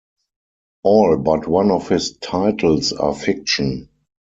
All but one of his titles are fiction.